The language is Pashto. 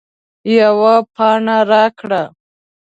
یوه پاڼه راکړه